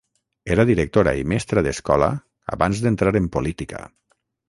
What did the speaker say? Era directora i mestra d'escola abans d'entrar en política.